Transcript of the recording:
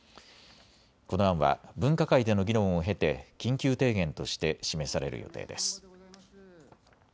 この案は分科会での議論を経て緊急提言として示される予定です。